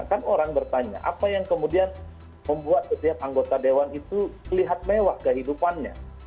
kan orang bertanya apa yang kemudian membuat setiap anggota dewan itu terlihat mewah kehidupannya